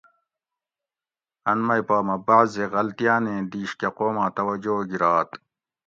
ان مئ پا مہ بعضی غلطیاۤنیں دیش کہ قوماں توجہ گِرات